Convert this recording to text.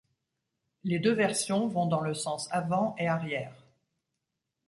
Les deux versions vont dans le sens avant et arrière.